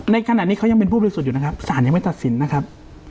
ในขณะนี้เขายังเป็นผู้บริสุทธิ์อยู่นะครับสารยังไม่ตัดสินนะครับ